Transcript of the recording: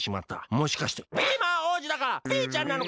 もしかしてピーマン王子だからピーちゃんなのか？